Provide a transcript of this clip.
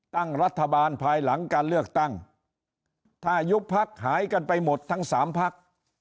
ตั้งรัฐบาลภายหลังการเลือกตั้งถ้ายุบพักหายกันไปหมดทั้งสามพัก